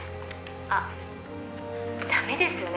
「あっダメですよね？